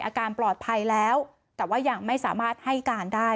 อาการปลอดภัยแล้วแต่ว่ายังไม่สามารถให้การได้